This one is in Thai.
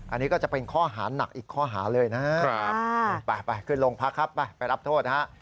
อันนี้ก็จะเป็นข้อหาหนักอีกข้อหาเลยนะครับไปขึ้นโรงพักครับไปไปรับโทษนะฮะ